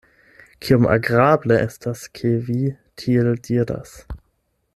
Kiom agrable estas ke vi tiel diras.